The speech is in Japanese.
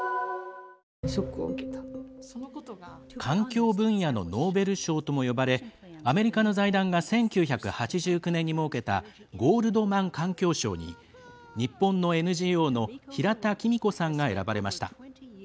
環境分野のノーベル賞とも呼ばれ、アメリカの財団が１９８９年に設けたゴールドマン環境賞に日本のＮＧＯの平田仁子さんが選ばれました。